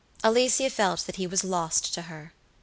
Alicia felt that he was lost to her.